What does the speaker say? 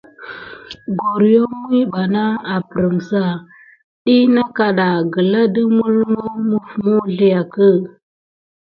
Goryom miɓanà aprisa ɗi nà na kaɗa gəla dət məlməw məwsliakə.